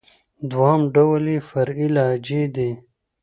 دوهم ډول ئې فرعي لهجې دئ.